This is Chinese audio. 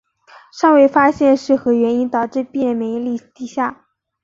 尚未发现是何原因导致病人免疫力低下。